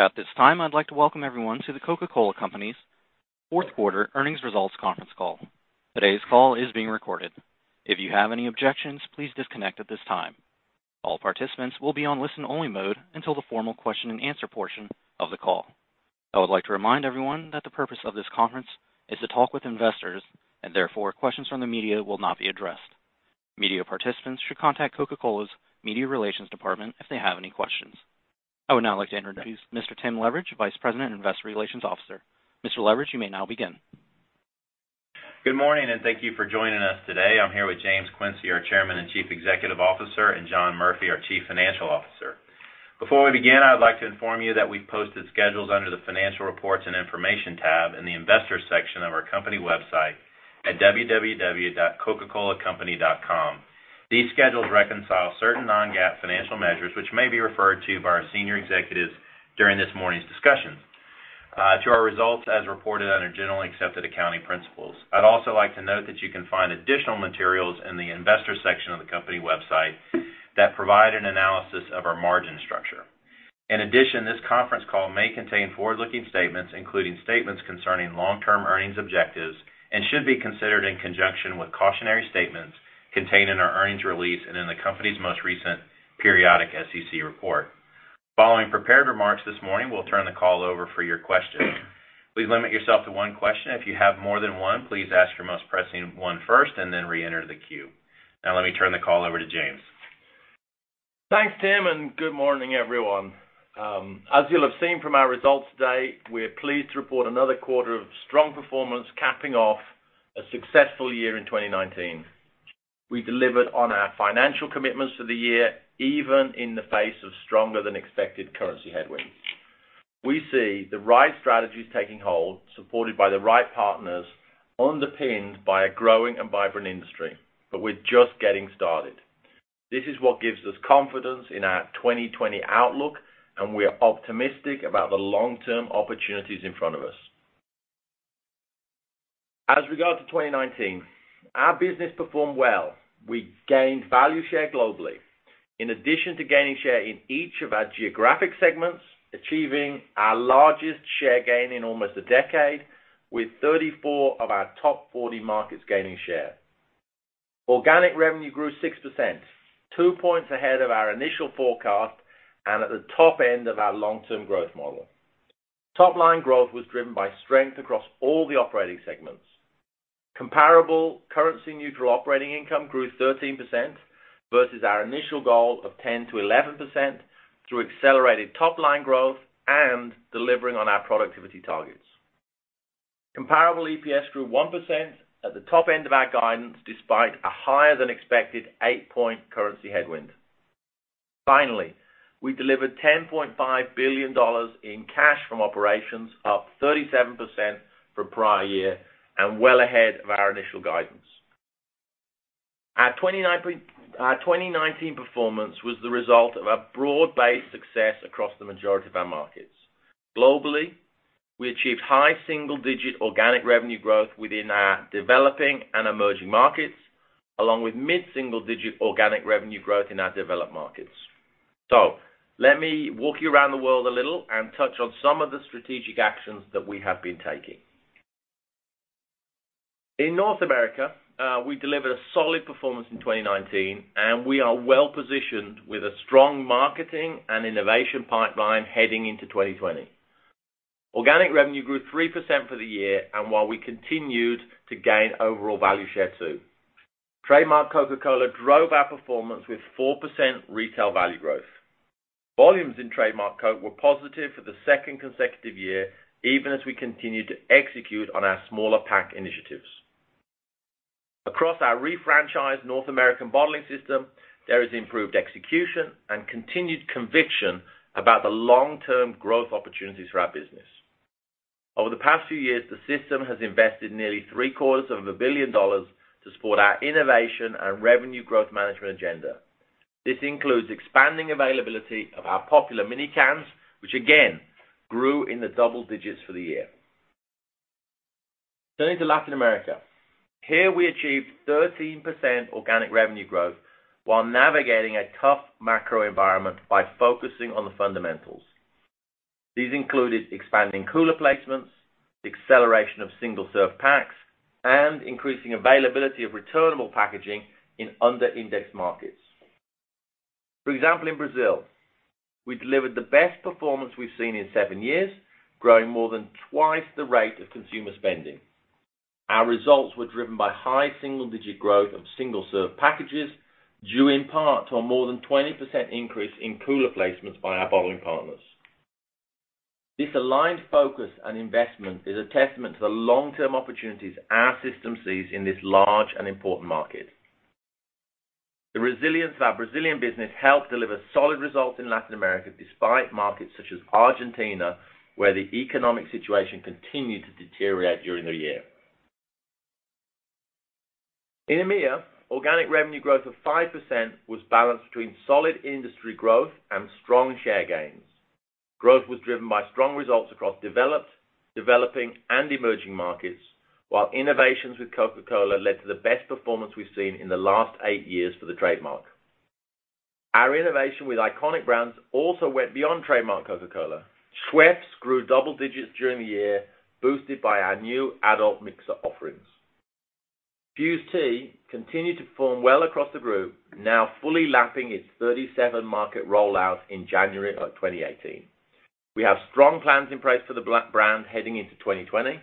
At this time, I'd like to welcome everyone to The Coca-Cola Company's fourth quarter earnings results conference call. Today's call is being recorded. If you have any objections, please disconnect at this time. All participants will be in listen-only mode until the formal question and answer portion of the call. I would like to remind everyone that the purpose of this conference is to talk with investors, and therefore, questions from the media will not be addressed. Media participants should contact Coca-Cola's media relations department if they have any questions. I would now like to introduce Mr. Tim Leveridge, Vice President and Investor Relations Officer. Mr. Leveridge, you may now begin. Good morning, and thank you for joining us today. I'm here with James Quincey, our Chairman and Chief Executive Officer, and John Murphy, our Chief Financial Officer. Before we begin, I would like to inform you that we've posted schedules under the financial reports and information tab in the investor section of our company website at www.coca-colacompany.com. These schedules reconcile certain non-GAAP financial measures, which may be referred to by our senior executives during this morning's discussions, to our results as reported under Generally Accepted Accounting Principles. I'd also like to note that you can find additional materials in the investor section of the company website that provide an analysis of our margin structure. This conference call may contain forward-looking statements, including statements concerning long-term earnings objectives, and should be considered in conjunction with cautionary statements contained in our earnings release and in the company's most recent periodic SEC report. Following prepared remarks this morning, we'll turn the call over for your questions. Please limit yourself to one question. If you have more than one, please ask your most pressing one first and then reenter the queue. Let me turn the call over to James. Thanks, Tim, and good morning, everyone. As you'll have seen from our results today, we are pleased to report another quarter of strong performance capping off a successful year in 2019. We delivered on our financial commitments for the year, even in the face of stronger than expected currency headwinds. We see the right strategies taking hold, supported by the right partners, underpinned by a growing and vibrant industry. We're just getting started. This is what gives us confidence in our 2020 outlook, and we are optimistic about the long-term opportunities in front of us. As regards 2019, our business performed well. We gained value share globally. In addition, gaining share in each of our geographic segments, achieving our largest share gain in almost a decade, with 34 of our top 40 markets gaining share. Organic revenue grew 6%, two points ahead of our initial forecast and at the top end of our long-term growth model. Topline growth was driven by strength across all the operating segments. Comparable currency-neutral operating income grew 13% versus our initial goal of 10%-11% through accelerated top-line growth and delivering on our productivity targets. Comparable EPS grew 1% at the top end of our guidance, despite a higher-than-expected eight-point currency headwind. Finally, we delivered $10.5 billion in cash from operations, up 37% from the prior year and well ahead of our initial guidance. Our 2019 performance was the result of a broad-based success across the majority of our markets. Globally, we achieved high single-digit organic revenue growth within our developing and emerging markets, along with mid-single-digit organic revenue growth in our developed markets. Let me walk you around the world a little and touch on some of the strategic actions that we have been taking. In North America, we delivered a solid performance in 2019, and we are well-positioned with a strong marketing and innovation pipeline heading into 2020. Organic revenue grew 3% for the year, while we continued to gain overall value share too. Trademark Coca-Cola drove our performance with 4% retail value growth. Volumes in Trademark Coke were positive for the second consecutive year, even as we continued to execute on our smaller pack initiatives. Across our refranchised North American bottling system, there is improved execution and continued conviction about the long-term growth opportunities for our business. Over the past few years, the system has invested nearly three-quarters of a billion dollars to support our innovation and revenue growth management agenda. This includes expanding availability of our popular mini cans, which again grew in the double digits for the year. Turning to Latin America. Here, we achieved 13% organic revenue growth while navigating a tough macro environment by focusing on the fundamentals. These included expanding cooler placements, acceleration of single-serve packs, and increasing availability of returnable packaging in under-indexed markets. For example, in Brazil, we delivered the best performance we've seen in seven years, growing more than twice the rate of consumer spending. Our results were driven by high single-digit growth of single-serve packages, due in part to a more than 20% increase in cooler placements by our bottling partners. This aligned focus on investment is a testament to the long-term opportunities our system sees in this large and important market. The resilience of our Brazilian business helped deliver solid results in Latin America, despite markets such as Argentina, where the economic situation continued to deteriorate during the year. In EMEA, organic revenue growth of 5% was balanced between solid industry growth and strong share gains. Growth was driven by strong results across developed, developing, and emerging markets, while innovations with Coca-Cola led to the best performance we've seen in the last eight years for the trademark. Our innovation with iconic brands also went beyond trademark Coca-Cola. Schweppes grew double digits during the year, boosted by our new adult mixer offerings. Fuze Tea continued to perform well across the group, now fully lapping its 37-market rollout in January of 2018. We have strong plans in place for the brand heading into 2020,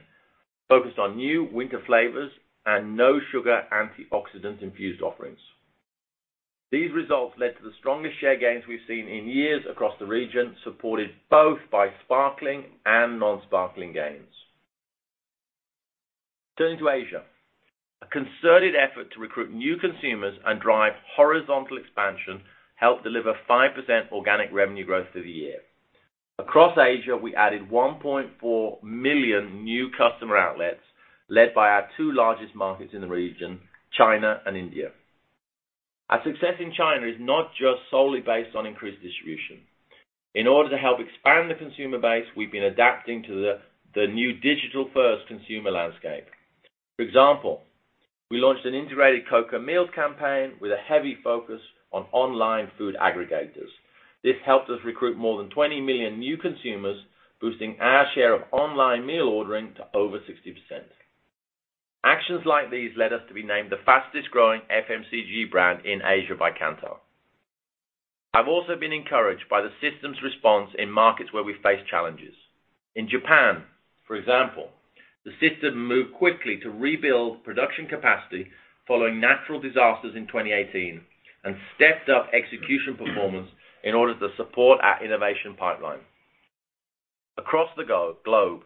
focused on new winter flavors and no-sugar antioxidant-infused offerings. These results led to the strongest share gains we've seen in years across the region, supported both by sparkling and non-sparkling gains. Turning to Asia. A concerted effort to recruit new consumers and drive horizontal expansion helped deliver 5% organic revenue growth through the year. Across Asia, we added 1.4 million new customer outlets, led by our two largest markets in the region, China and India. Our success in China is not just solely based on increased distribution. In order to help expand the consumer base, we've been adapting to the new digital-first consumer landscape. For example, we launched an integrated Coca Meals Campaign with a heavy focus on online food aggregators. This helped us recruit more than 20 million new consumers, boosting our share of online meal ordering to over 60%. Actions like these led us to be named the fastest-growing FMCG brand in Asia by Kantar. I've also been encouraged by the system's response in markets where we face challenges. In Japan, for example, the system moved quickly to rebuild production capacity following natural disasters in 2018, and stepped up execution performance in order to support our innovation pipeline. Across the globe,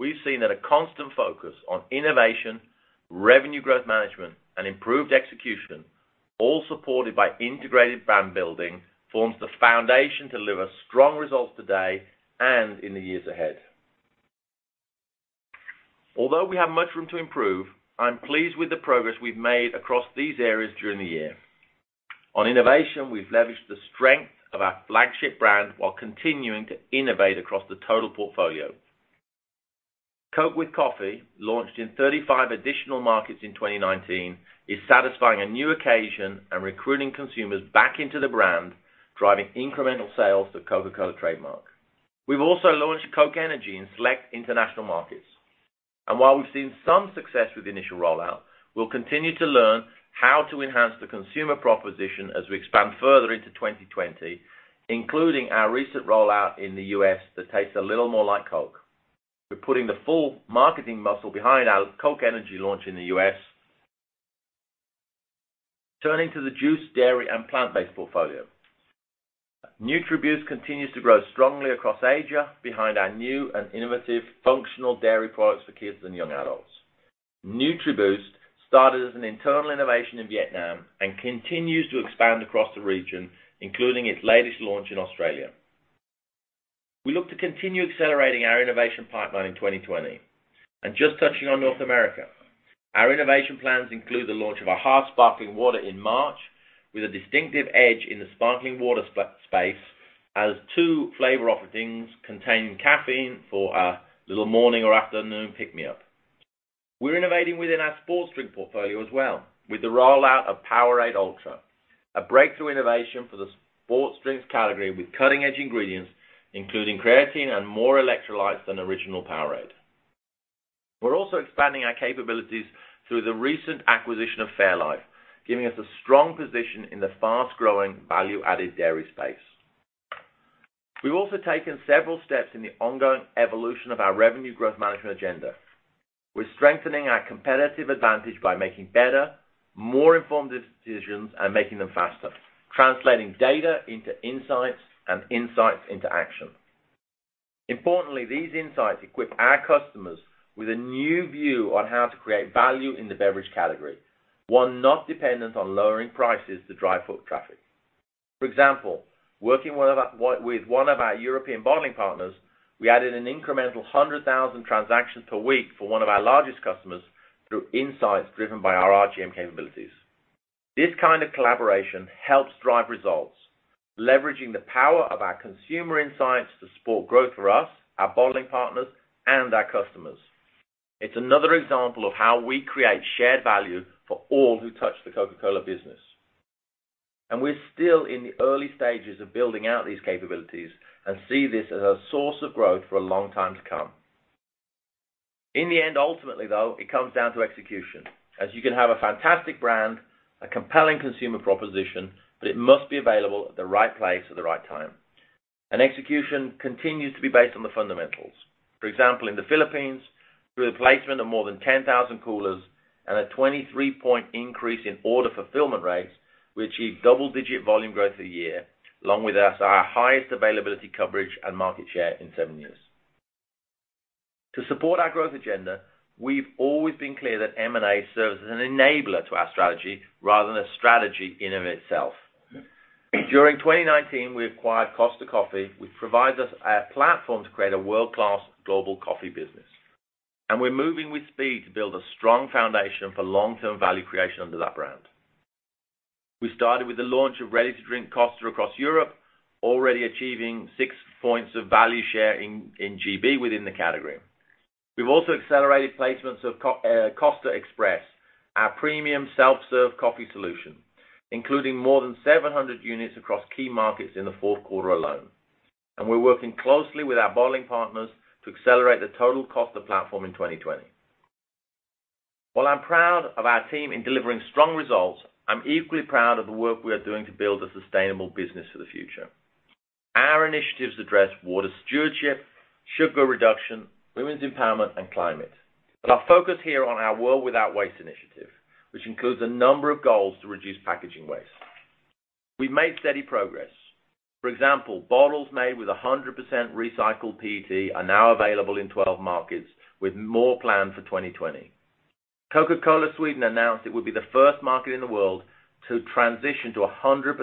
we've seen that a constant focus on innovation, Revenue Growth Management, and improved execution, all supported by integrated brand building, forms the foundation to deliver strong results today and in the years ahead. Although we have much room to improve, I'm pleased with the progress we've made across these areas during the year. On innovation, we've leveraged the strength of our flagship brand while continuing to innovate across the total portfolio. Coke with Coffee, launched in 35 additional markets in 2019, is satisfying a new occasion and recruiting consumers back into the brand, driving incremental sales to the Coca-Cola trademark. We've also launched Coke Energy in select international markets. While we've seen some success with the initial rollout, we'll continue to learn how to enhance the consumer proposition as we expand further into 2020, including our recent rollout in the U.S. that tastes a little more like Coke. We're putting the full marketing muscle behind our Coke Energy launch in the U.S. Turning to the juice, dairy, and plant-based portfolio. NutriBoost continues to grow strongly across Asia behind our new and innovative functional dairy products for kids and young adults. NutriBoost started as an internal innovation in Vietnam and continues to expand across the region, including its latest launch in Australia. We look to continue accelerating our innovation pipeline in 2020. Just touching on North America, our innovation plans include the launch of a hard sparkling water in March with a distinctive edge in the sparkling water space, as two flavor offerings contain caffeine for a little morning or afternoon pick-me-up. We're innovating within our sports drink portfolio as well, with the rollout of POWERADE Ultra, a breakthrough innovation for the sports drinks category with cutting-edge ingredients, including creatine and more electrolytes than original POWERADE. We're also expanding our capabilities through the recent acquisition of fairlife, giving us a strong position in the fast-growing, value-added dairy space. We've also taken several steps in the ongoing evolution of our revenue growth management agenda. We're strengthening our competitive advantage by making better, more informed decisions and making them faster, translating data into insights and insights into action. Importantly, these insights equip our customers with a new view on how to create value in the beverage category, one not dependent on lowering prices to drive foot traffic. For example, working with one of our European bottling partners, we added an incremental 100,000 transactions per week for one of our largest customers through insights driven by our RGM capabilities. This kind of collaboration helps drive results, leveraging the power of our consumer insights to support growth for us, our bottling partners, and our customers. It's another example of how we create shared value for all who touch the Coca-Cola business. We're still in the early stages of building out these capabilities and see this as a source of growth for a long time to come. In the end, ultimately, though, it comes down to execution. As you can have a fantastic brand and a compelling consumer proposition, it must be available at the right place at the right time. Execution continues to be based on the fundamentals. For example, in the Philippines, through the placement of more than 10,000 coolers and a 23-point increase in order fulfillment rates, we achieved double-digit volume growth for the year, along with our highest availability coverage and market share in seven years. To support our growth agenda, we've always been clear that M&A serves as an enabler to our strategy rather than a strategy in and of itself. During 2019, we acquired Costa Coffee, which provides us a platform to create a world-class global coffee business. We're moving with speed to build a strong foundation for long-term value creation under that brand. We started with the launch of ready-to-drink Costa across Europe, already achieving six points of value share in GB within the category. We've also accelerated placements of Costa Express, our premium self-serve coffee solution, including more than 700 units across key markets in the fourth quarter alone. We're working closely with our bottling partners to accelerate the total Costa platform in 2020. While I'm proud of our team in delivering strong results, I'm equally proud of the work we are doing to build a sustainable business for the future. Our initiatives address water stewardship, sugar reduction, women's empowerment, and climate. Our focus here on our World Without Waste initiative, which includes a number of goals to reduce packaging waste. We've made steady progress. For example, bottles made with 100% recycled PET are now available in 12 markets, with more planned for 2020. Coca-Cola Sweden announced it would be the first market in the world to transition to 100%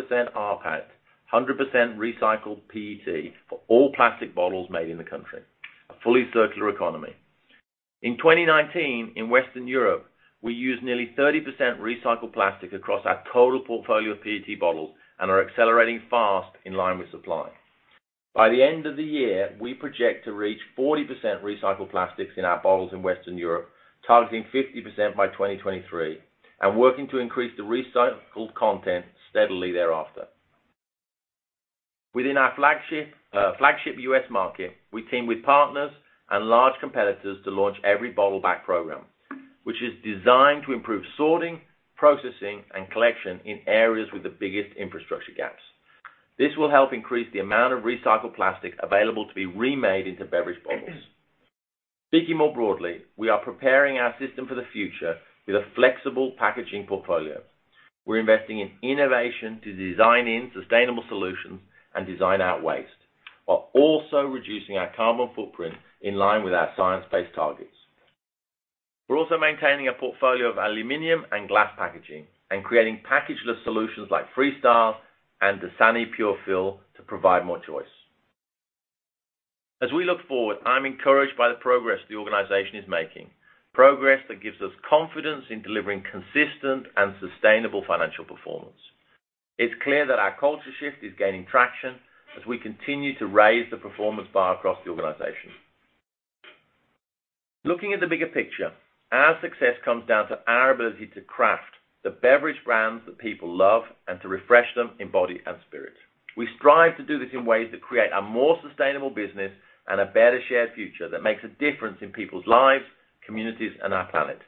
PET, 100% recycled PET, for all plastic bottles made in the country. A fully circular economy. In 2019, in Western Europe, we used nearly 30% recycled plastic across our total portfolio of PET bottles and are accelerating fast in line with supply. By the end of the year, we project reaching 40% recycled plastics in our bottles in Western Europe, targeting 50% by 2023, and working to increase the recycled content steadily thereafter. Within our flagship U.S. market, we team with partners and large competitors to launch the Every Bottle Back program, which is designed to improve sorting, processing, and collection in areas with the biggest infrastructure gaps. This will help increase the amount of recycled plastic available to be remade into beverage bottles. Speaking more broadly, we are preparing our system for the future with a flexible packaging portfolio. We're investing in innovation to design sustainable solutions and design out waste, while also reducing our carbon footprint in line with our science-based targets. We're also maintaining a portfolio of aluminum and glass packaging and creating package-less solutions like Freestyle and Dasani PureFill to provide more choice. As we look forward, I'm encouraged by the progress the organization is making. Progress that gives us confidence in delivering consistent and sustainable financial performance. It's clear that our culture shift is gaining traction as we continue to raise the performance bar across the organization. Looking at the bigger picture, our success comes down to our ability to craft the beverage brands that people love and to refresh them in body and spirit. We strive to do this in ways that create a more sustainable business and a better shared future that makes a difference in people's lives, communities, and our planet.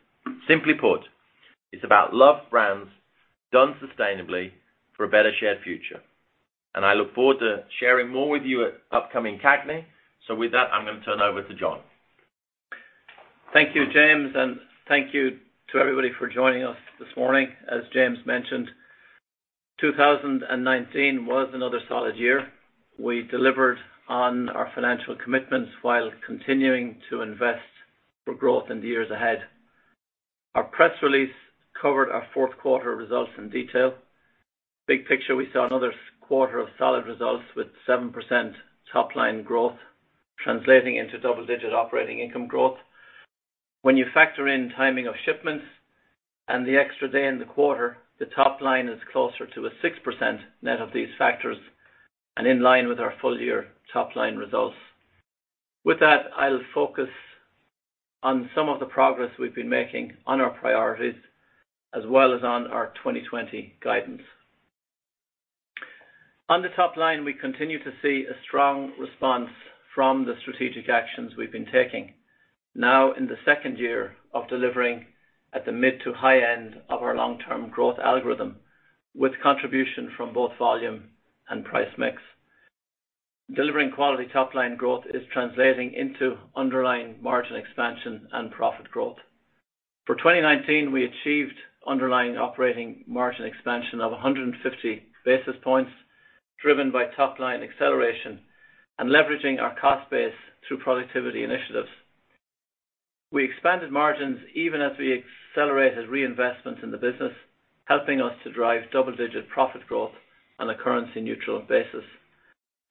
Simply put, it's about loved brands done sustainably for a better shared future. I look forward to sharing more with you at upcoming CAGNY. With that, I'm going to turn over to John. Thank you, James, and thank you to everybody for joining us this morning. As James mentioned, 2019 was another solid year. We delivered on our financial commitments while continuing to invest for growth in the years ahead. Our press release covered our fourth quarter results in detail. Big picture, we saw another quarter of solid results with 7% top-line growth, translating into double-digit operating income growth. When you factor in the timing of shipments and the extra day in the quarter, the top line is closer to a 6% net of these factors and in line with our full-year top-line results. With that, I'll focus on some of the progress we've been making on our priorities, as well as on our 2020 guidance. On the top line, we continue to see a strong response from the strategic actions we've been taking, now in the second year of delivering at the mid- to high end of our long-term growth algorithm, with contributions from both volume and price mix. Delivering quality top-line growth is translating into underlying margin expansion and profit growth. For 2019, we achieved underlying operating margin expansion of 150 basis points, driven by top-line acceleration and leveraging our cost base through productivity initiatives. We expanded margins even as we accelerated reinvestment in the business, helping us to drive double-digit profit growth on a currency-neutral basis.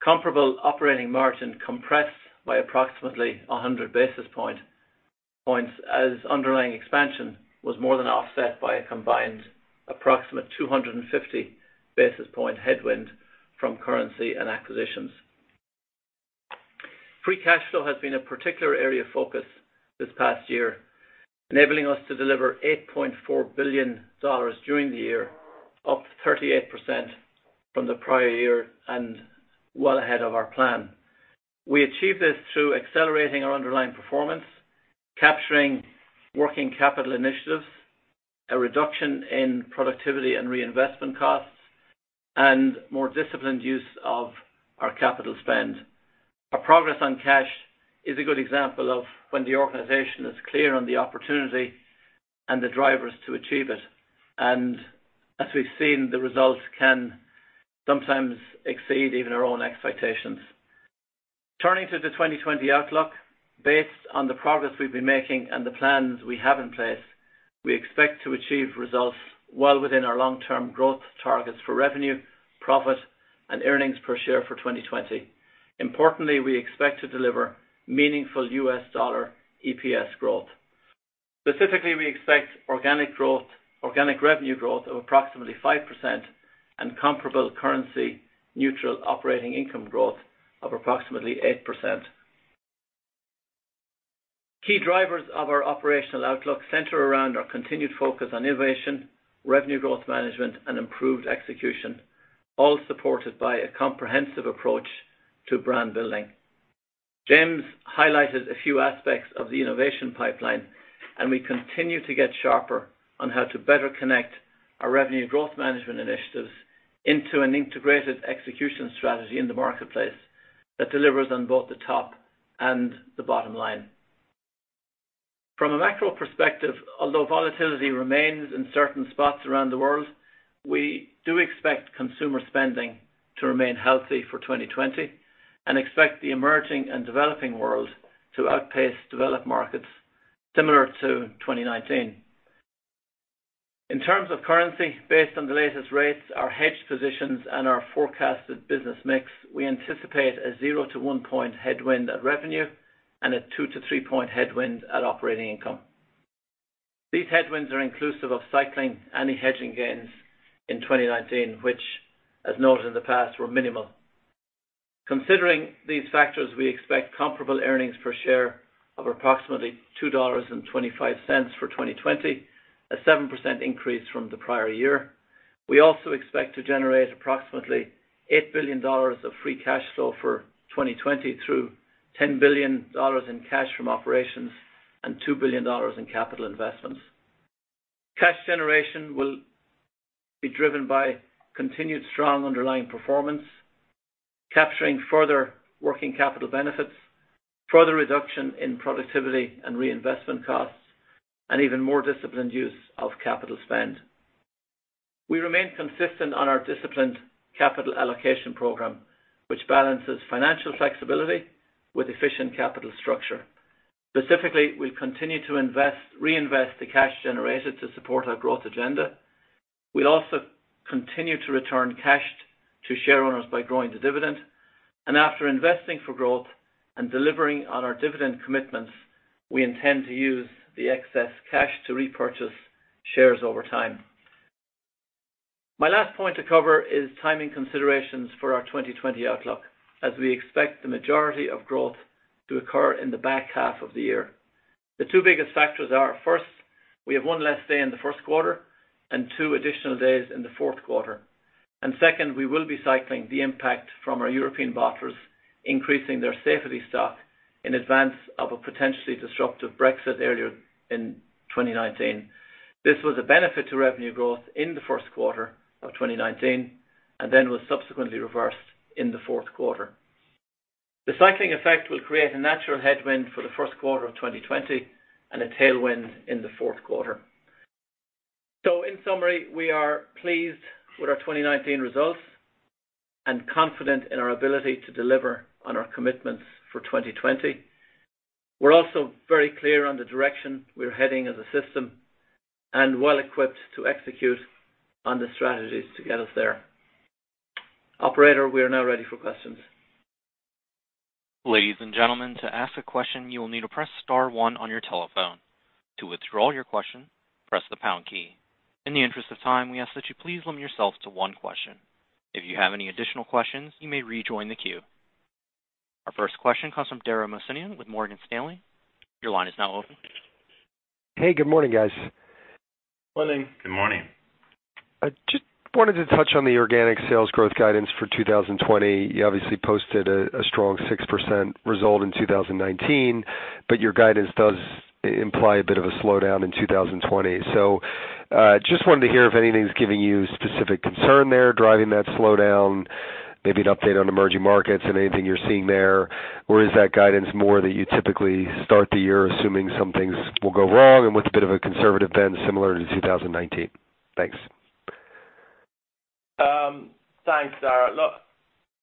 Comparable operating margin compressed by approximately 100 basis points as underlying expansion was more than offset by a combined approximate 250 basis point headwind from currency and acquisitions. Free cash flow has been a particular area of focus this past year, enabling us to deliver $8.4 billion during the year, up 38% from the prior year and well ahead of our plan. We achieved this through accelerating our underlying performance, capturing working capital initiatives, a reduction in productivity and reinvestment costs, and more disciplined use of our capital spend. Our progress on cash is a good example of when the organization is clear on the opportunity and the drivers to achieve it. As we've seen, the results can sometimes exceed even our own expectations. Turning to the 2020 outlook, based on the progress we've been making and the plans we have in place, we expect to achieve results well within our long-term growth targets for revenue, profit, and earnings per share for 2020. Importantly, we expect to deliver meaningful U.S. dollar EPS growth. Specifically, we expect organic revenue growth of approximately 5% and comparable currency-neutral operating income growth of approximately 8%. Key drivers of our operational outlook center around our continued focus on innovation, revenue growth management, and improved execution, all supported by a comprehensive approach to brand building. James highlighted a few aspects of the innovation pipeline, and we continue to get sharper on how to better connect our revenue growth management initiatives into an integrated execution strategy in the marketplace that delivers on both the top and the bottom line. From a macro perspective, although volatility remains in certain spots around the world, we do expect consumer spending to remain healthy for 2020 and expect the emerging and developing world to outpace developed markets similar to 2019. In terms of currency, based on the latest rates, our hedged positions, and our forecasted business mix, we anticipate a 0-1 point headwind at revenue and a 2-3 point headwind at operating income. These headwinds are inclusive of cycling any hedging gains in 2019, which, as noted in the past, were minimal. Considering these factors, we expect comparable earnings per share of approximately $2.25 for 2020, a 7% increase from the prior year. We also expect to generate approximately $8 billion of free cash flow for 2020 through $10 billion in cash from operations and $2 billion in capital investments. Cash generation will be driven by continued strong underlying performance, capturing further working capital benefits, further reduction in productivity and reinvestment costs, and even more disciplined use of capital spending. We remain consistent on our disciplined capital allocation program, which balances financial flexibility with an efficient capital structure. Specifically, we'll continue to reinvest the cash generated to support our growth agenda. We'll also continue to return cash to share owners by growing the dividend. After investing for growth and delivering on our dividend commitments, we intend to use the excess cash to repurchase shares over time. My last point to cover is timing considerations for our 2020 outlook, as we expect the majority of growth to occur in the back half of the year. The two biggest factors are, first, we have one less day in the first quarter and two additional days in the fourth quarter. Second, we will be cycling the impact from our European bottlers increasing their safety stock in advance of a potentially disruptive Brexit earlier in 2019. This was a benefit to revenue growth in the first quarter of 2019 and then was subsequently reversed in the fourth quarter. The cycling effect will create a natural headwind for the first quarter of 2020 and a tailwind in the fourth quarter. In summary, we are pleased with our 2019 results and confident in our ability to deliver on our commitments for 2020. We're also very clear on the direction we're heading as a system and well-equipped to execute on the strategies to get us there. Operator, we are now ready for questions. Ladies and gentlemen, to ask a question, you will need to press star one on your telephone. To withdraw your question, press the pound key. In the interest of time, we ask that you please limit yourself to one question. If you have any additional questions, you may rejoin the queue. Our first question comes from Dara Mohsenian with Morgan Stanley. Your line is now open. Hey, good morning, guys. Morning. Good morning. I just wanted to touch on the organic sales growth guidance for 2020. You obviously posted a strong 6% result in 2019, but your guidance does imply a bit of a slowdown in 2020. Just wanted to hear if anything's giving you specific concern there driving that slowdown, maybe an update on emerging markets and anything you're seeing there, or is that guidance more that you typically start the year assuming some things will go wrong and with a bit of a conservative bend similar to 2019? Thanks. Thanks, Dara. Look,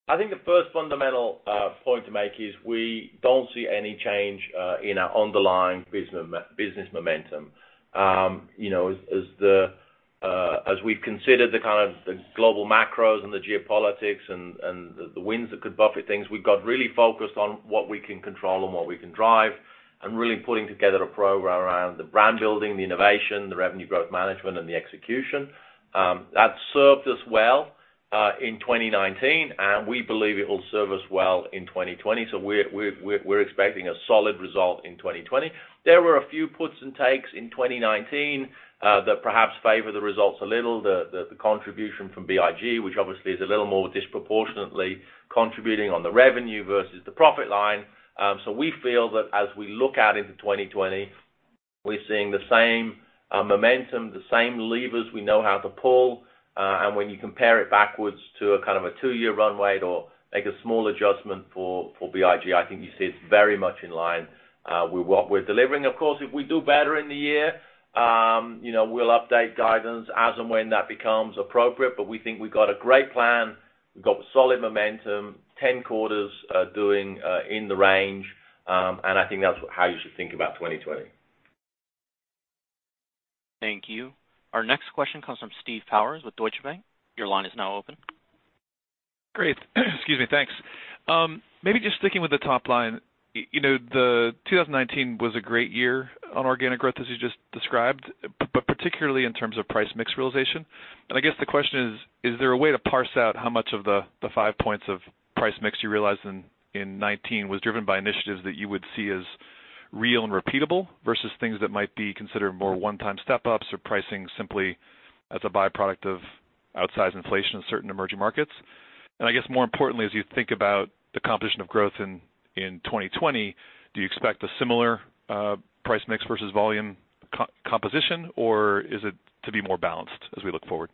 I think the first fundamental point to make is we don't see any change in our underlying business momentum. As we've considered the kind of global macros and the geopolitics and the winds that could buffet things, we've gotten really focused on what we can control and what we can drive and really putting together a program around the brand building, the innovation, the revenue growth management, and the execution. That served us well in 2019, and we believe it will serve us well in 2020. We're expecting a solid result in 2020. There were a few puts and takes in 2019 that perhaps favor the results a little, the contribution from BIG, which obviously is a little more disproportionately contributing to the revenue versus the profit line. We feel that as we look out into 2020, we're seeing the same momentum, the same levers we know how to pull. When you compare it backwards to a kind of a two-year runway or make a small adjustment for BIG, I think you see it's very much in line with what we're delivering. Of course, if we do better in the year, we'll update guidance as and when that becomes appropriate. We think we've got a great plan. We've got solid momentum, 10 quarters doing in the range, and I think that's how you should think about 2020. Thank you. Our next question comes from Steve Powers with Deutsche Bank. Your line is now open. Great. Excuse me. Thanks. Maybe just sticking with the top line. 2019 was a great year for organic growth, as you just described, but particularly in terms of price mix realization. I guess the question is: Is there a way to parse out how much of the 5 points of price mix you realized in 2019 was driven by initiatives that you would see as real and repeatable versus things that might be considered more one-time step-ups or pricing simply as a byproduct of outsized inflation in certain emerging markets? I guess more importantly, as you think about the composition of growth in 2020, do you expect a similar price mix versus volume composition, or is it to be more balanced as we look forward?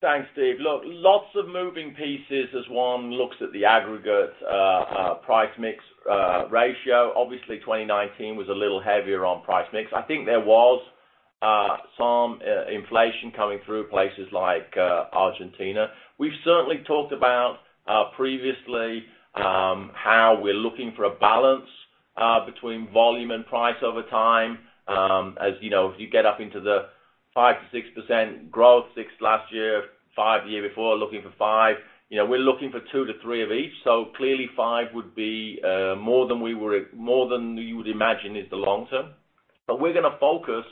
Thanks, Steve. Lots of moving pieces as one looks at the aggregate price mix ratio. Obviously, 2019 was a little heavier on price mix. I think there was some inflation coming through places like Argentina. We've certainly talked about previously how we're looking for a balance between volume and price over time. As you get up into the 5%-6% growth, 6% last year and 5% the year before, looking for 5%, we're looking for two to three of each. Clearly, five years would be more than you would imagine is the long term. We're going to focus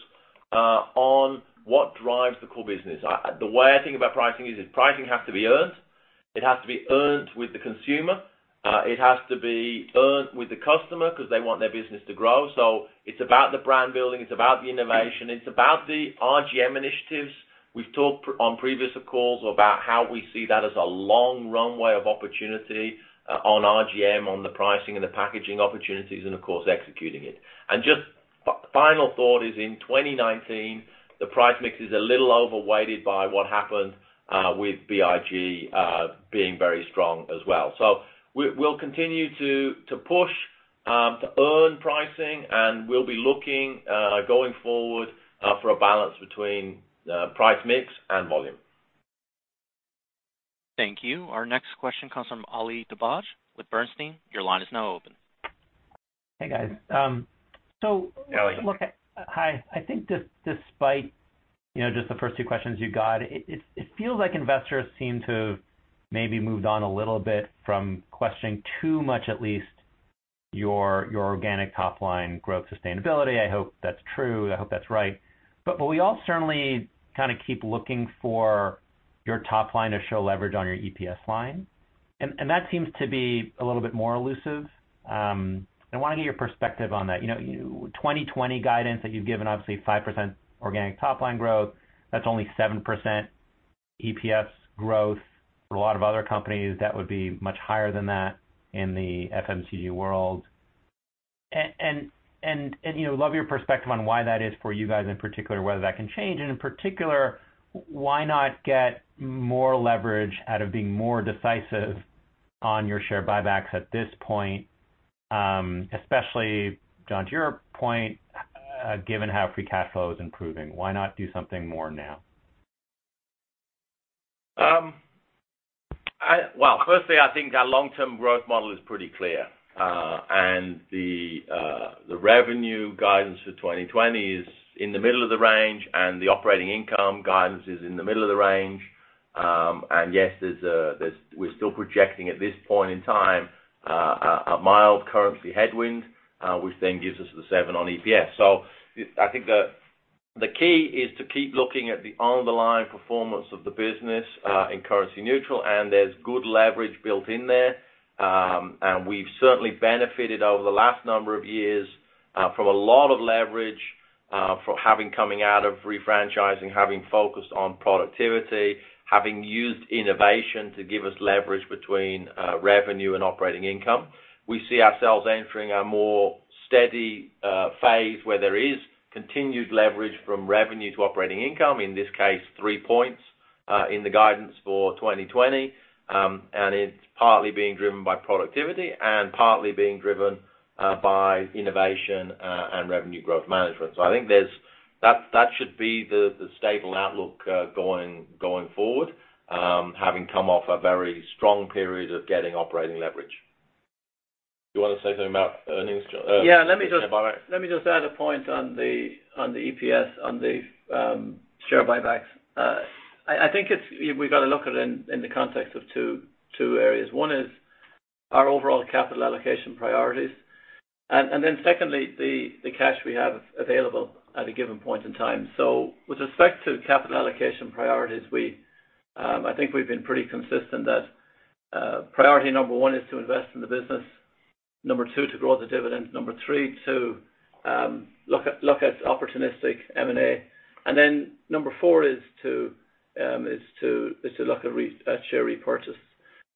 on what drives the core business. The way I think about pricing is that pricing has to be earned. It has to be earned with the consumer. It has to be earned with the customer because they want their business to grow. It's about the brand building, it's about the innovation, and it's about the RGM initiatives. We've talked on previous calls about how we see that as a long runway of opportunity on RGM, on the pricing and the packaging opportunities, and, of course, executing it. Just a final thought is, in 2019, the price mix is a little overweighted by what happened with BIG being very strong as well. We'll continue to push to earn pricing, and we'll be looking, going forward, for a balance between price mix and volume. Thank you. Our next question comes from Ali Dibadj with Bernstein. Your line is now open. Hey, guys. Hi, Ali. Hi. I think despite just the first two questions you got, it feels like investors seem to have maybe moved on a little bit from questioning, at least, your organic top-line growth sustainability. I hope that's true. I hope that's right. We all certainly keep looking for your top line to show leverage on your EPS line. That seems to be a little bit more elusive. I want to get your perspective on that. 2020 guidance that you've given, obviously, is 5% organic top-line growth; that's only 7% EPS growth. For a lot of other companies, that would be much higher than that in the FMCG world. Love your perspective on why that is for you guys in particular, and whether that can change. In particular, why not get more leverage out of being more decisive on your share buybacks at this point, especially, John, to your point, given how free cash flow is improving? Why not do something more now? Well, firstly, I think our long-term growth model is pretty clear. The revenue guidance for 2020 is in the middle of the range, and the operating income guidance is in the middle of the range. Yes, we're still projecting at this point in time a mild currency headwind, which then gives us the seven on EPS. I think the key is to keep looking at the underlying performance of the business in currency neutral, and there's good leverage built in there. We've certainly benefited over the last number of years from a lot of leverage from having come out of refranchising, having focused on productivity, and having used innovation to give us leverage between revenue and operating income. We see ourselves entering a more steady phase where there is continued leverage from revenue to operating income, in this case, three points in the guidance for 2020. It's partly being driven by productivity and partly being driven by innovation and revenue growth management. I think that should be the stable outlook going forward, having come off a very strong period of getting operating leverage. Do you want to say something about earnings, John? Yeah. Share buyback? Let me just add a point on the EPS, on the share buybacks. I think we've got to look at it in the context of two areas. One is our overall capital allocation priorities, and then secondly, the cash we have available at a given point in time. With respect to capital allocation priorities, I think we've been pretty consistent that priority number one is to invest in the business. Number two, to grow the dividend. Number three, to look at opportunistic M&A. Number four is to look at share repurchases.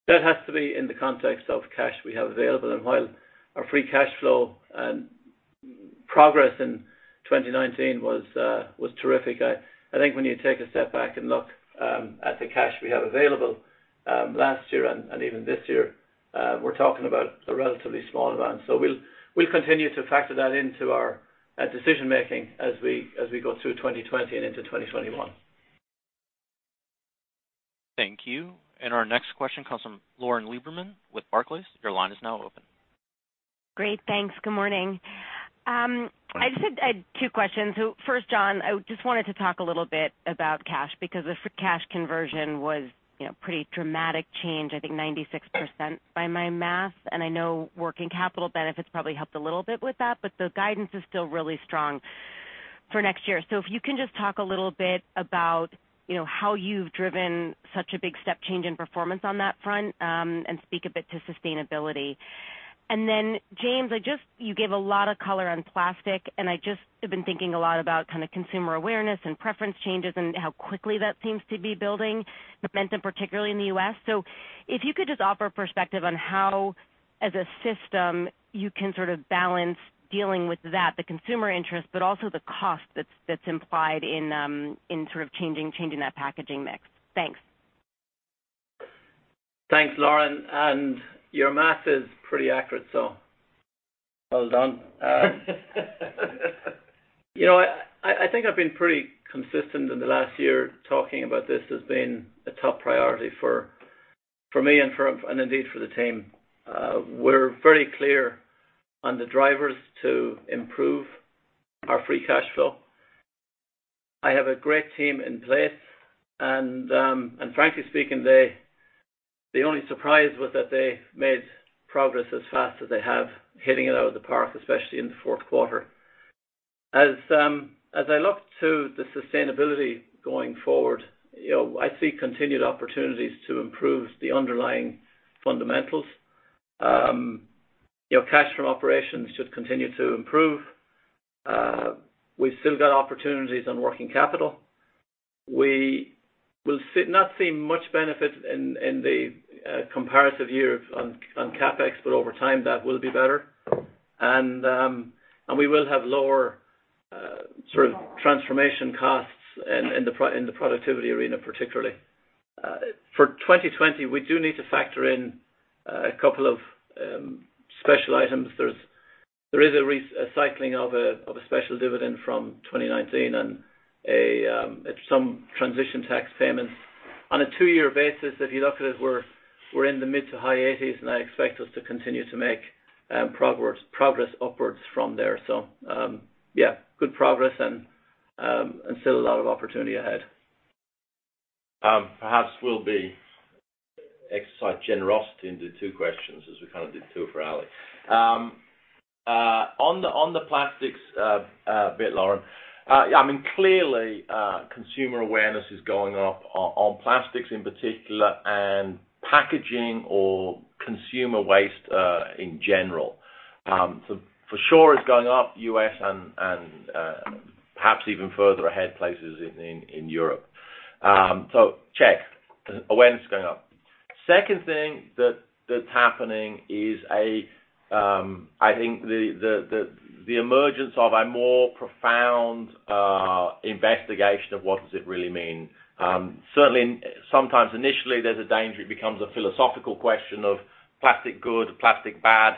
That has to be in the context of cash we have available. While our free cash flow and progress in 2019 were terrific, I think when you take a step back and look at the cash we had available last year and even this year, we're talking about a relatively small amount. We'll continue to factor that into our decision-making as we go through 2020 and into 2021. Thank you. Our next question comes from Lauren Lieberman with Barclays. Your line is now open. Great. Thanks. Good morning. I just had two questions. First, John, I just wanted to talk a little bit about cash, because the free cash conversion was a pretty dramatic change, I think 96% by my math, and I know working capital benefits probably helped a little bit with that, but the guidance is still really strong for next year. If you can, just talk a little bit about how you've driven such a big step change in performance on that front and speak a bit to sustainability. James, you gave a lot of color on plastic, and I just have been thinking a lot about consumer awareness and preference changes and how quickly that seems to be building momentum, particularly in the U.S. If you could just offer perspective on how, as a system, you can sort of balance dealing with that consumer interest but also the cost that's implied in changing that packaging mix. Thanks. Thanks, Lauren, and your math is pretty accurate, so well done. I think I've been pretty consistent in the last year talking about this as being a top priority for me and, indeed, for the team. We're very clear on the drivers to improve our free cash flow. I have a great team in place, and frankly speaking, the only surprise was that they've made progress as fast as they have, hitting it out of the park, especially in the fourth quarter. As I look to sustainability going forward, I see continued opportunities to improve the underlying fundamentals. Cash from operations should continue to improve. We've still got opportunities on working capital. We will not see much benefit in the comparative year on CapEx, but over time, that will be better. We will have lower transformation costs in the productivity arena, particularly. For 2020, we do need to factor in a couple of special items. There is a cycling of a special dividend from 2019 and some transition tax payments. On a two-year basis, if you look at it, we're in the mid to high 80s, and I expect us to continue to make progress upwards from there. Yeah, good progress and still a lot of opportunity ahead. Perhaps we'll exercise generosity and do two questions as we kind of did two for Ali. On the plastics bit, Lauren. Clearly, consumer awareness is going up on plastics in particular and packaging or consumer waste in general. For sure, it's going up in the U.S. and perhaps even further ahead, in places in Europe. Check. Awareness is going up. Second thing that's happening is, I think, the emergence of a more profound investigation of what it really means. Certainly, sometimes initially there's a danger it becomes a philosophical question of plastic good, plastic bad.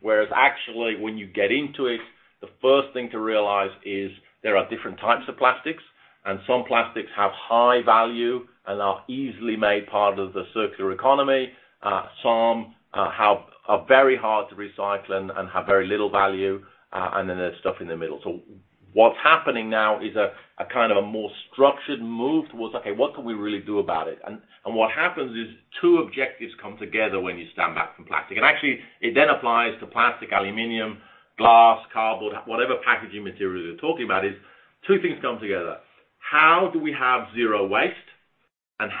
Whereas actually, when you get into it, the first thing to realize is there are different types of plastics, and some plastics have high value and are easily made part of the circular economy. Some are very hard to recycle and have very little value, and then there's stuff in the middle. What's happening now is a more structured move towards, okay, what can we really do about it? What happens is two objectives come together when you stand back from plastic. Actually, it then applies to plastic, aluminum, glass, cardboard, or whatever packaging material you're talking about: two things come together. How do we have zero waste?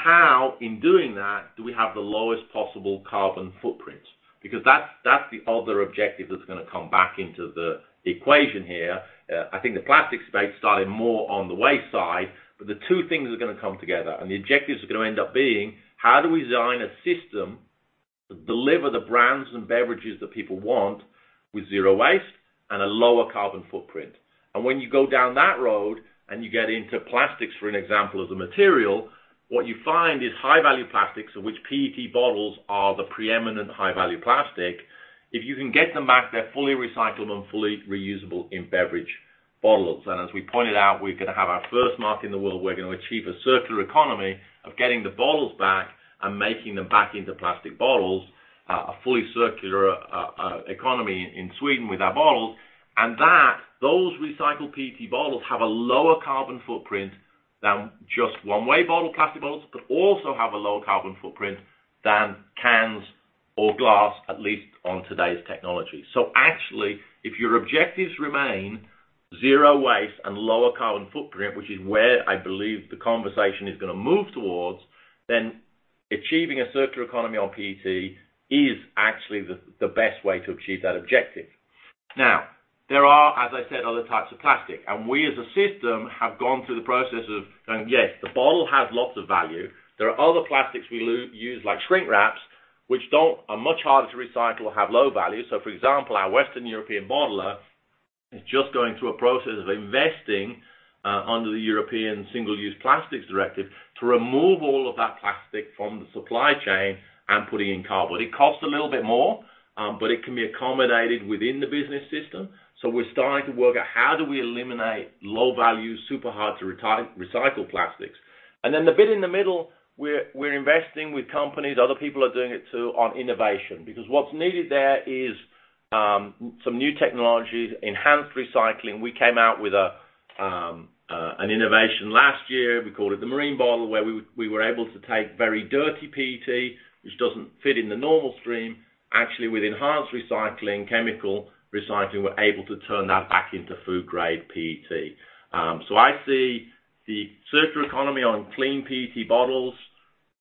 How, in doing that, do we have the lowest possible carbon footprint? That's the other objective that's going to come back into the equation here. I think the plastic space started more on the waste side. The two things are going to come together, and the objectives are going to end up being, how do we design a system to deliver the brands and beverages that people want with zero waste and a lower carbon footprint? When you go down that road and you get into plastics, for example, as a material, what you find is high-value plastics, of which PET bottles are the preeminent high-value plastic. If you can get them back, they're fully recyclable and fully reusable in beverage bottles. As we pointed out, we're going to have our first market in the world. We're going to achieve a circular economy of getting the bottles back and making them back into plastic bottles, a fully circular economy in Sweden with our bottles. Those recycled PET bottles have a lower carbon footprint than just one-way bottles or plastic bottles but also have a lower carbon footprint than cans or glass, at least with today's technology. Actually, if your objectives remain zero waste and lower carbon footprint, which is where I believe the conversation is going to move toward, then achieving a circular economy on PET is actually the best way to achieve that objective. There are, as I said, other types of plastic, and we as a system have gone through the process of going; yes, the bottle has lots of value. There are other plastics we use, like shrink wraps, which are much harder to recycle or have low value. For example, our Western European bottler is just going through a process of investing under the European Single-Use Plastics Directive to remove all of that plastic from the supply chain and put in cardboard. It costs a little bit more, but it can be accommodated within the business system. We're starting to work out how we eliminate low-value, super hard-to-recycle plastics. The bit in the middle, we're investing with companies; other people are doing it, too, on innovation. What's needed there are some new technologies and enhanced recycling. We came out with an innovation last year; we called it the Marine Bottle, where we were able to take very dirty PET, which doesn't fit in the normal stream. Actually, with enhanced recycling, chemical recycling, we're able to turn that back into food-grade PET. I see the circular economy of clean PET bottles as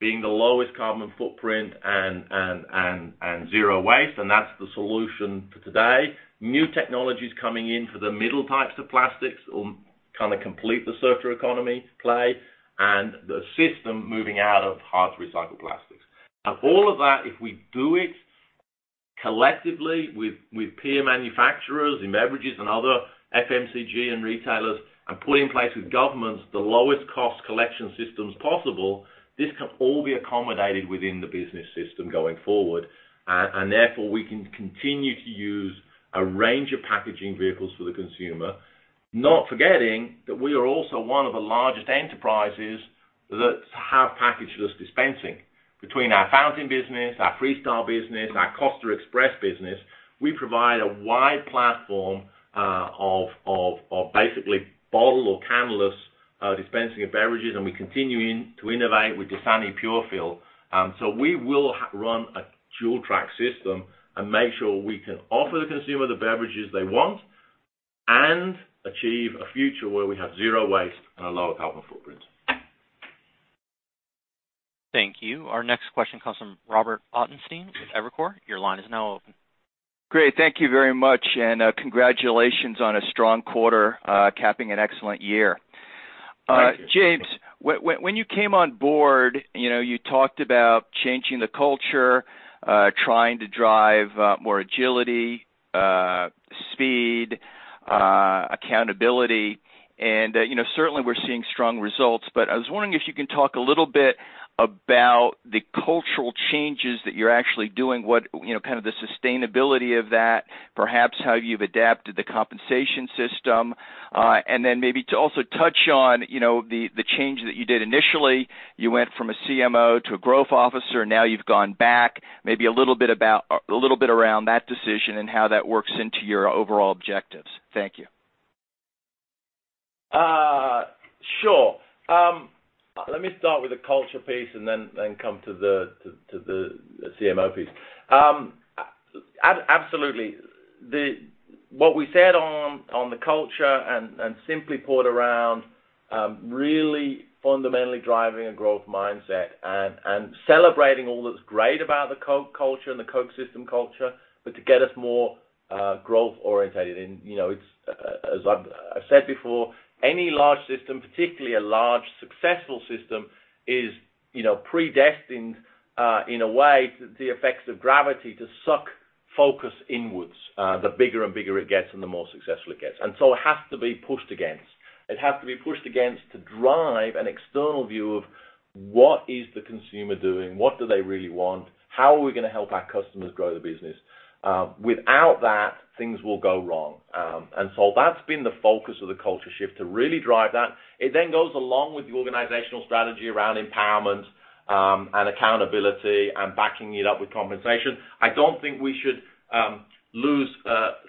having the lowest carbon footprint and being zero waste, and that's the solution for today. New technologies coming in for the middle types of plastics will complete the circular economy play and the system moving out of hard-to-recycle plastics. All of that, if we do it collectively with peer manufacturers in beverages and other FMCG and retailers, putting in place with governments the lowest cost collection systems possible, can all be accommodated within the business system going forward. Therefore, we can continue to use a range of packaging vehicles for the consumer. Not forgetting that we are also one of the largest enterprises that have package-less dispensing. Between our fountain business, our Freestyle business, and our Costa Express business, we provide a wide platform of basically bottle- or can-less dispensing of beverages; we're continuing to innovate with Dasani PureFill. We will run a dual-track system and make sure we can offer the consumer the beverages they want and achieve a future where we have zero waste and a lower carbon footprint. Thank you. Our next question comes from Robert Ottenstein with Evercore. Your line is now open. Great. Thank you very much, and congratulations on a strong quarter capping an excellent year. Thank you. James, when you came on board, you talked about changing the culture and trying to drive more agility, speed, and accountability; certainly, we're seeing strong results. I was wondering if you could talk a little bit about the cultural changes that you're actually doing, the sustainability of that, and perhaps how you've adapted the compensation system. Maybe to also touch on the change that you did initially. You went from a CMO to a Growth Officer, now you've gone back. Maybe a little bit around that decision and how that works into your overall objectives. Thank you. Sure. Let me start with the culture piece and then come to the CMO piece. Absolutely. What we said on the culture and simply put around was really fundamentally driving a growth mindset and celebrating all that's great about the Coca-Cola culture and the Coca-Cola system culture, but to get us more growth-oriented. As I've said before, any large system, particularly a large, successful system, is predestined, in a way, to the effects of gravity to suck focus inwards. The bigger and bigger it gets, and the more successful it gets. It has to be pushed against. It has to be pushed against to drive an external view of what the consumer is doing. What do they really want? How are we going to help our customers grow the business? Without that, things will go wrong. That's been the focus of the culture shift, to really drive that. It then goes along with the organizational strategy around empowerment and accountability and backing it up with compensation. I don't think we should lose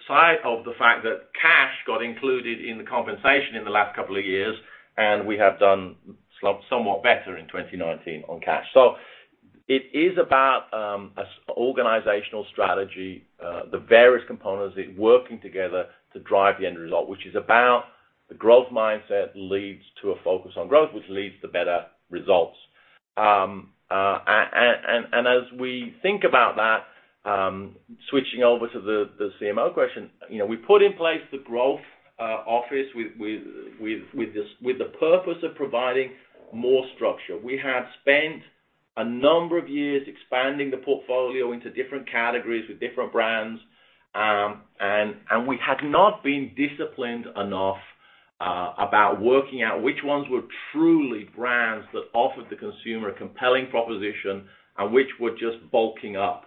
sight of the fact that cash got included in the compensation in the last couple of years, and we have done somewhat better in 2019 on cash. It is about organizational strategy, the various components, and it working together to drive the end result, which is about the growth mindset leading to a focus on growth, which leads to better results. As we think about that, switching over to the CMO question, we put in place the growth office with the purpose of providing more structure. We had spent a number of years expanding the portfolio into different categories with different brands, and we had not been disciplined enough about working out which ones were truly brands that offered the consumer a compelling proposition and which were just bulking up.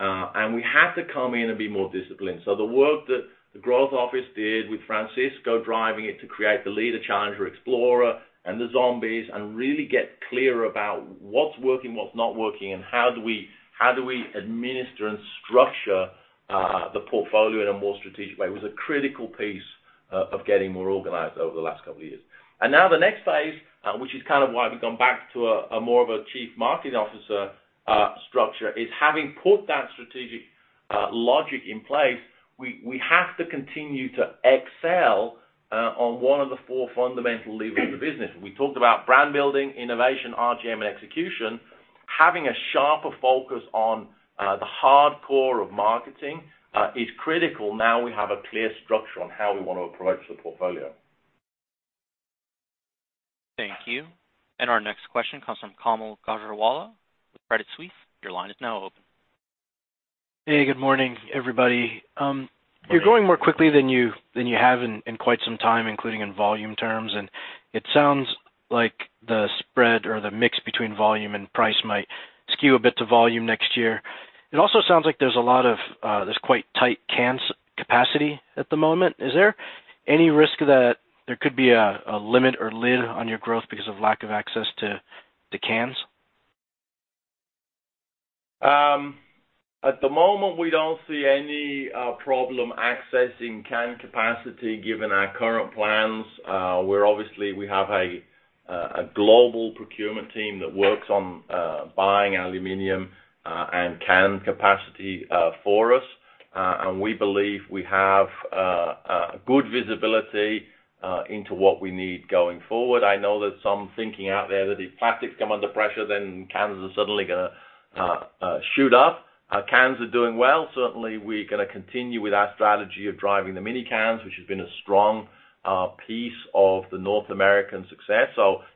We had to come in and be more disciplined. The work that the growth office did with Francisco driving it to create the leader, challenger, explorer, and zombies and really get clear about what's working, what's not working, and how we administer and structure the portfolio in a more strategic way was a critical piece of getting more organized over the last couple of years. Now the next phase, which is kind of why we've gone back to more of a chief marketing officer structure, is having put that strategic logic in place; we have to continue to excel on one of the four fundamental levers of the business. We talked about brand building, innovation, RGM, and execution. Having a sharper focus on the core of marketing is critical now that we have a clear structure on how we want to approach the portfolio. Thank you. Our next question comes from Kaumil Gajrawala with Credit Suisse. Your line is now open. Hey, good morning, everybody. You're growing more quickly than you have in quite some time, including in volume terms, and it sounds like the spread or the mix between volume and price might skew a bit to volume next year. It also sounds like there's quite tight can capacity at the moment. Is there any risk that there could be a limit or lid on your growth because of lack of access to the cans? At the moment, we don't see any problem accessing can capacity, given our current plans. Obviously, we have a global procurement team that works on buying aluminum and can capacity for us. We believe we have good visibility into what we need going forward. I know there's some thinking out there that if plastics come under pressure, then cans are suddenly going to shoot up. Cans are doing well. Certainly, we're going to continue with our strategy of driving the mini cans, which have been a strong piece of the North American success.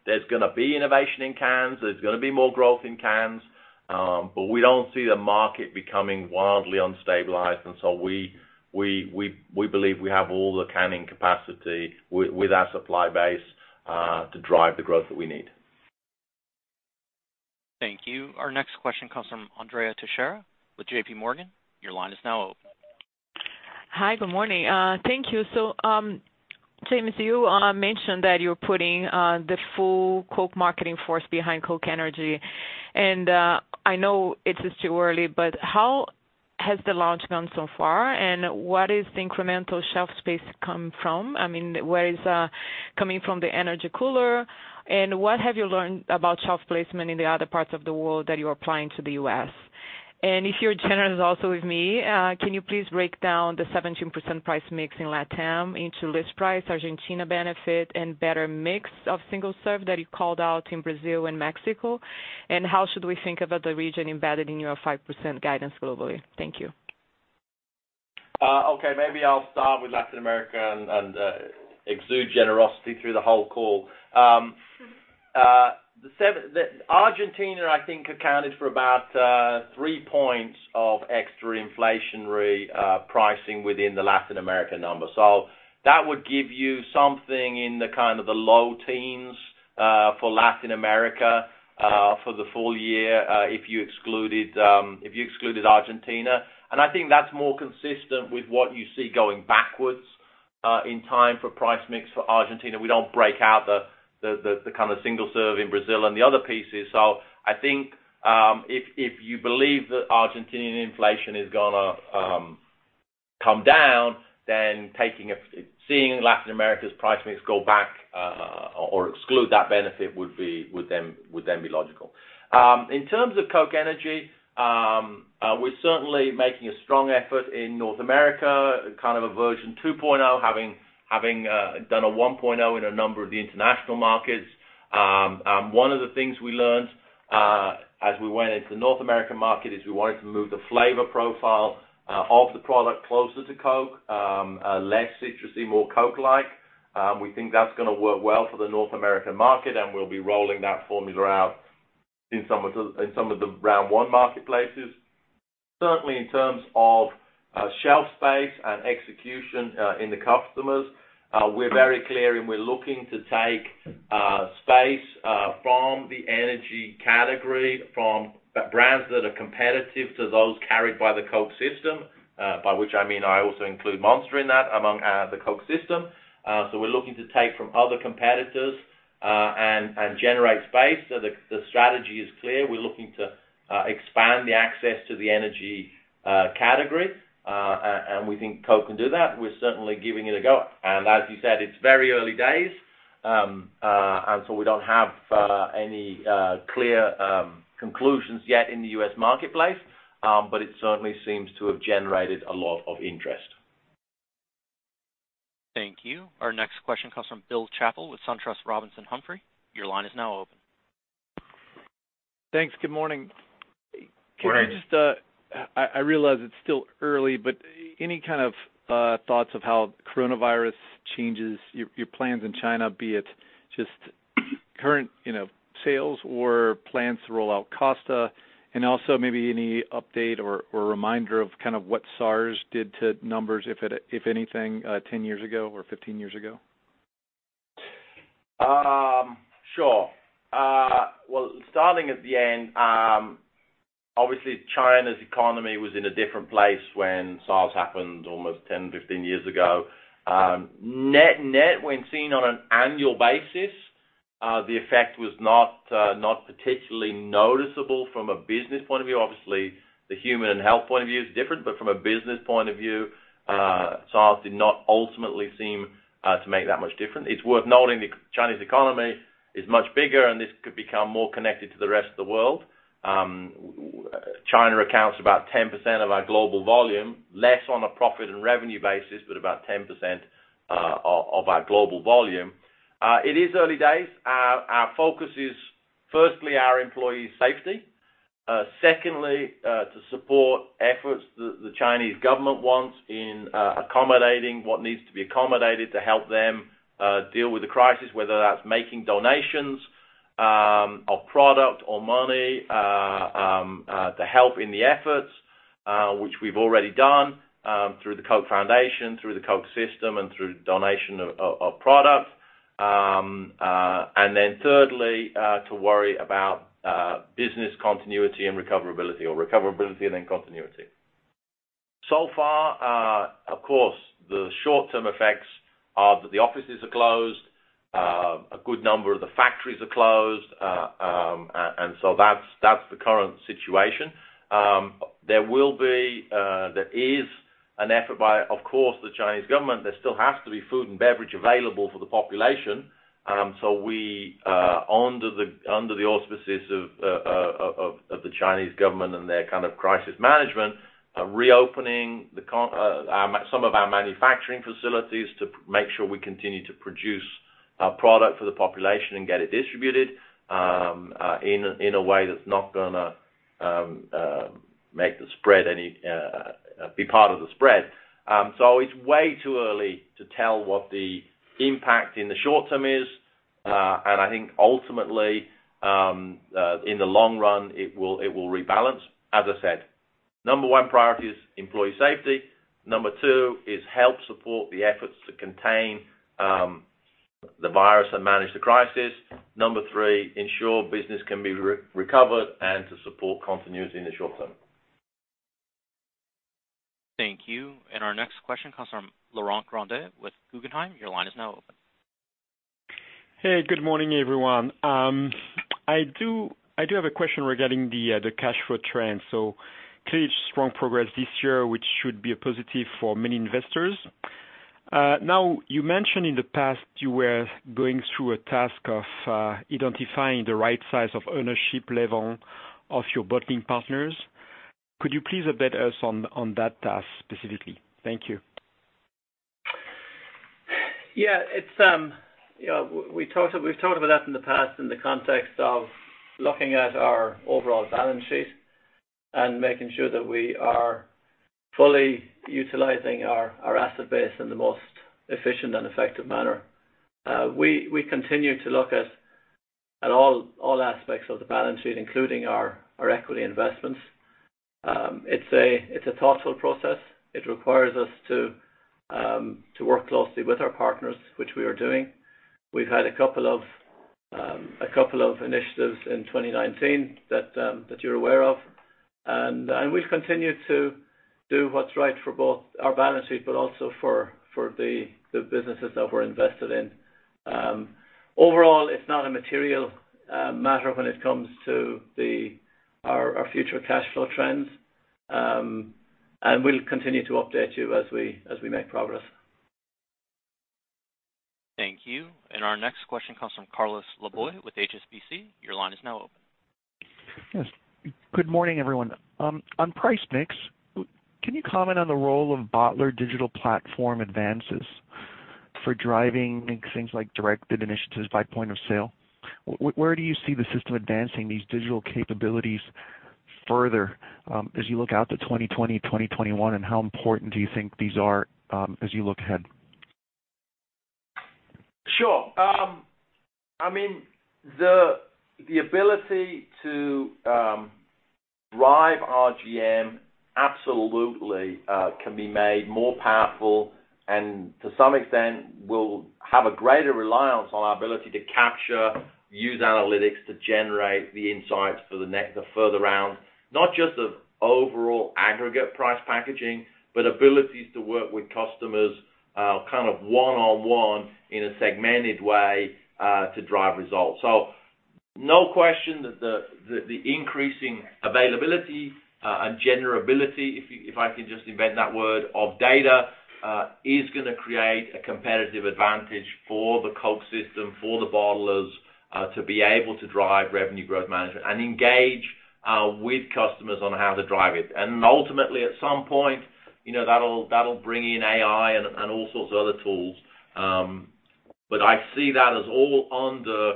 There's going to be innovation in cans. There's going to be more growth in cans. We don't see the market becoming wildly unstabilized, and so we believe we have all the canning capacity with our supply base to drive the growth that we need. Thank you. Our next question comes from Andrea Teixeira with JPMorgan. Your line is now open. Hi, good morning. Thank you. James, you mentioned that you're putting the full Coke marketing force behind Coca-Cola Energy. I know it is too early, but how has the launch gone so far? What is the incremental shelf space come from? Where is coming from the energy cooler? What have you learned about shelf placement in the other parts of the world that you're applying to the U.S.? If you're also generous with me, can you please break down the 17% price mix in LatAm into list price, Argentina benefit, and better mix of single-serve that you called out in Brazil and Mexico? How should we think about the region embedded in your 5% guidance globally? Thank you. Maybe I'll start with Latin America and exude generosity through the whole call. Argentina, I think, accounted for about three points of extra inflationary pricing within the Latin America number. That would give you something in the low teens for Latin America for the full year, if you excluded Argentina. I think that's more consistent with what you see going backwards in time for the price mix for Argentina. We don't break out the single serving in Brazil and the other pieces. I think if you believe that Argentinian inflation is going to come down, seeing Latin America's price mix go back or exclude that benefit would be logical. In terms of Coca-Cola Energy, we're certainly making a strong effort in North America, kind of a version 2.0, having done a 1.0 in a number of the international markets. One of the things we learned as we went into the North American market is we wanted to move the flavor profile of the product closer to Coke, less citrusy and more Coke-like. We think that's going to work well for the North American market, and we'll be rolling that formula out in some of the round one marketplaces. Certainly, in terms of shelf space and execution in the customers, we're very clear, and we're looking to take space from the energy category from brands that are competitive to those carried by the Coke system, by which I mean I also include Monster in that among the Coke system. We're looking to take from other competitors and generate space. The strategy is clear. We're looking to expand the access to the energy category, and we think Coke can do that. We're certainly giving it a go. As you said, it's very early days, and so we don't have any clear conclusions yet in the U.S. marketplace, but it certainly seems to have generated a lot of interest. Thank you. Our next question comes from Bill Chappell with SunTrust Robinson Humphrey. Your line is now open. Thanks. Good morning. Good morning. I realize it's still early, but any kind of thoughts on how coronavirus changes your plans in China, be it just current sales or plans to roll out Costa? Also, maybe any update or reminder of what SARS did to numbers, if anything, 10 years ago or 15 years ago? Sure. Well, starting at the end, obviously China's economy was in a different place when SARS happened almost 10, 15 years ago. Net, when seen on an annual basis, the effect was not particularly noticeable from a business point of view. Obviously, the human and health point of view is different, but from a business point of view, SARS did not ultimately seem to make that much difference. It's worth noting the Chinese economy is much bigger, and this could become more connected to the rest of the world. China accounts for about 10% of our global volume, less on a profit and revenue basis, but about 10% of our global volume. It is early days. Our focus is firstly our employees' safety. Secondly, to support efforts, the Chinese government wants to accommodate what needs to be accommodated to help them deal with the crisis, whether that's making donations of product or money to help in the efforts, which we've already done through the Coke Foundation, through the Coke system, and through donation of product. Thirdly, to worry about business continuity and recoverability, or recoverability and then continuity. So far, of course, the short-term effects are that the offices are closed. A good number of the factories are closed. That's the current situation. There is an effort by, of course, the Chinese government. There still has to be food and beverage available for the population. We, under the auspices of the Chinese government and their kind of crisis management, are reopening some of our manufacturing facilities to make sure we continue to produce product for the population and get it distributed in a way that's not going to be part of the spread. It's way too early to tell what the impact in the short term is. I think ultimately, in the long run, it will rebalance. As I said, the number one priority is employee safety. Number two is help support the efforts to contain the virus and manage the crisis. Number three, ensure business can be recovered and to support continuity in the short term. Thank you. Our next question comes from Laurent Grandet with Guggenheim. Your line is now open. Hey, good morning, everyone. I do have a question regarding the cash flow trend. Clearly strong progress this year, which should be a positive for many investors. You mentioned in the past you were going through a task of identifying the right size of ownership level of your bottling partners. Could you please update us on that task specifically? Thank you. Yeah. We've talked about that in the past in the context of looking at our overall balance sheet and making sure that we are fully utilizing our asset base in the most efficient and effective manner. We continue to look at all aspects of the balance sheet, including our equity investments. It's a thoughtful process. It requires us to work closely with our partners, which we are doing. We've had a couple of initiatives in 2019 that you're aware of. We've continued to do what's right for both our balance sheet and the businesses that we're invested in. Overall, it's not a material matter when it comes to our future cash flow trends. We'll continue to update you as we make progress. Thank you. Our next question comes from Carlos Laboy with HSBC. Your line is now open. Yes. Good morning, everyone. On price mix, can you comment on the role of bottler digital platform advances for driving things like directed initiatives by point of sale? Where do you see the system advancing these digital capabilities further as you look out to 2020, 2021, and how important do you think these are as you look ahead? Sure. The ability to drive RGM absolutely can be made more powerful and, to some extent, will have a greater reliance on our ability to capture and use analytics to generate the insights for the further rounds, not just of overall aggregate price packaging, but also abilities to work with customers kind of one-on-one in a segmented way to drive results. No question that the increasing availability and generability, if I can just invent that word, of data are going to create a competitive advantage for the Coke system, for the bottlers, to be able to drive revenue growth management and engage with customers on how to drive it. Ultimately, at some point, that'll bring in AI and all sorts of other tools. I see that as all under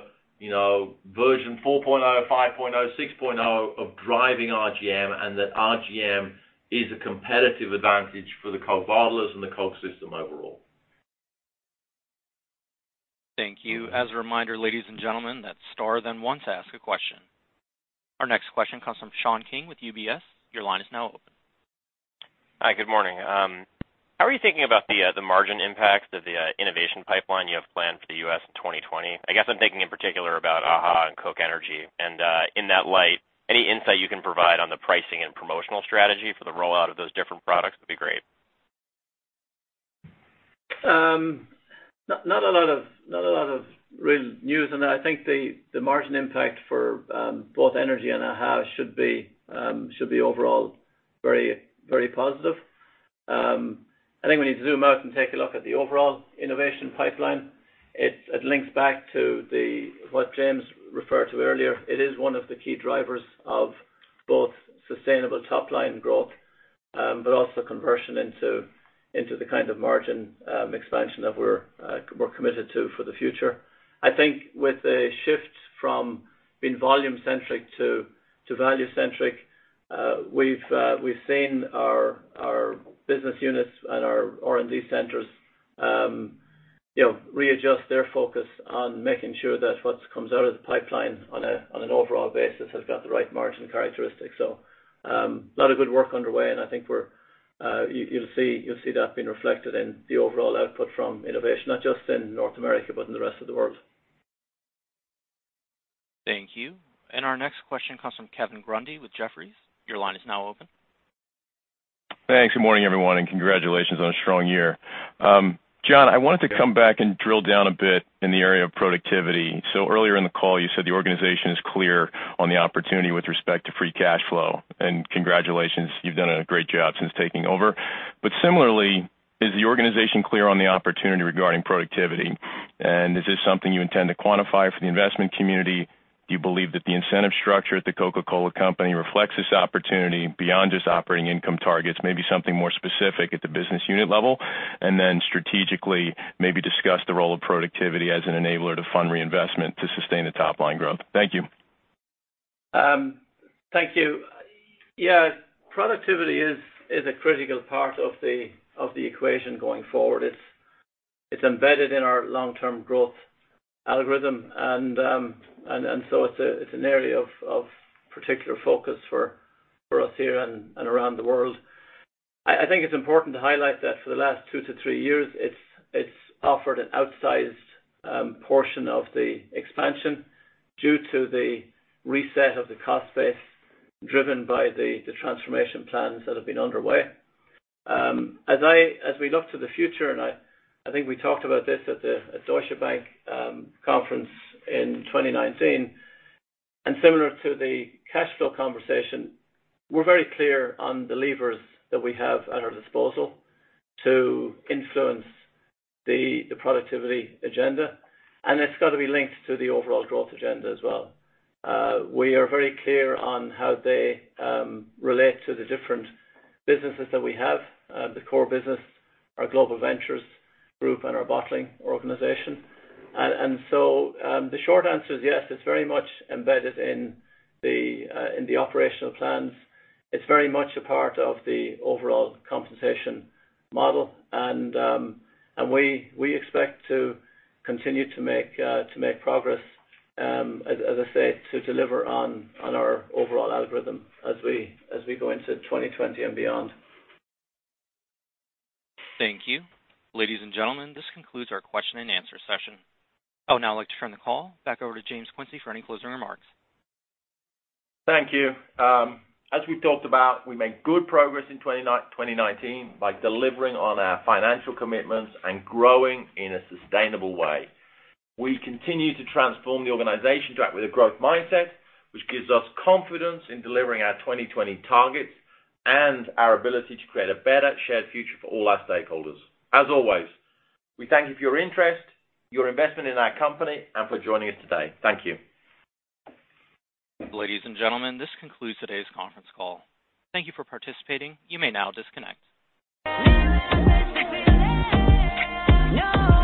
versions 4.0, 5.0, and 6.0 of driving RGM, and that RGM is a competitive advantage for the Coke bottlers and the Coke system overall. Thank you. As a reminder, ladies and gentlemen, that is star then one to ask a question. Our next question comes from Sean King with UBS. Your line is now open. Hi, good morning. How are you thinking about the margin impacts of the innovation pipeline you have planned for the U.S. in 2020? I guess I'm thinking in particular about AHA and Coca-Cola Energy. In that light, any insight you can provide on the pricing and promotional strategy for the rollout of those different products would be great. Not a lot of real news on that. I think the margin impact for both Energy and AHA should be overall very positive. I think we need to zoom out and take a look at the overall innovation pipeline. It links back to what James referred to earlier. It is one of the key drivers of both sustainable top-line growth and conversion into the kind of margin expansion that we're committed to for the future. I think with a shift from Been volume-centric to value-centric. We've seen our business units and our R&D centers readjust their focus on making sure that what comes out of the pipeline on an overall basis has got the right margin characteristics. A lot of good work is underway, and I think you'll see that being reflected in the overall output from innovation, not just in North America, but in the rest of the world. Thank you. Our next question comes from Kevin Grundy with Jefferies. Your line is now open. Thanks. Good morning, everyone, and congratulations on a strong year. John, I wanted to come back and drill down a bit in the area of productivity. Earlier in the call, you said the organization is clear on the opportunity with respect to free cash flow. Congratulations, you've done a great job since taking over. Similarly, is the organization clear on the opportunity regarding productivity? Is this something you intend to quantify for the investment community? Do you believe that the incentive structure at The Coca-Cola Company reflects this opportunity beyond just operating income targets, maybe something more specific at the business unit level? Strategically, maybe discuss the role of productivity as an enabler to fund reinvestment to sustain the top-line growth. Thank you. Thank you. Yeah. Productivity is a critical part of the equation going forward. It's embedded in our long-term growth algorithm, and so it's an area of particular focus for us here and around the world. I think it's important to highlight that for the last two to three years, it's offered an outsized portion of the expansion due to the reset of the cost base driven by the transformation plans that have been underway. As we look to the future, and I think we talked about this at the Deutsche Bank conference in 2019, and similar to the cash flow conversation, we're very clear on the levers that we have at our disposal to influence the productivity agenda, and it's got to be linked to the overall growth agenda as well. We are very clear on how they relate to the different businesses that we have, the core business, our global ventures group, and our bottling organization. The short answer is yes, it's very much embedded in the operational plans. It's very much a part of the overall compensation model. We expect to continue to make progress, as I say, to deliver on our overall algorithm as we go into 2020 and beyond. Thank you. Ladies and gentlemen, this concludes our question and answer session. I would now like to turn the call back over to James Quincey for any closing remarks. Thank you. As we talked about, we made good progress in 2019 by delivering on our financial commitments and growing in a sustainable way. We continue to transform the organization to act with a growth mindset, which gives us confidence in delivering our 2020 targets and our ability to create a better shared future for all our stakeholders. As always, we thank you for your interest, your investment in our company, and for joining us today. Thank you. Ladies and gentlemen, this concludes today's conference call. Thank you for participating. You may now disconnect.